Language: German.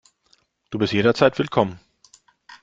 Du bist jederzeit willkommen.